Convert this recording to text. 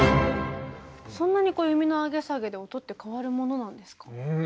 そんなにこう弓の上げ下げで音って変わるものなんですか？